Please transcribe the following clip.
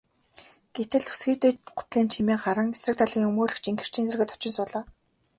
Гэтэл өсгийтэй гутлын чимээ гаран эсрэг талын өмгөөлөгч гэрчийн дэргэд очин зогслоо.